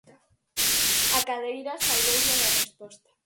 A cadeira salvouno da resposta.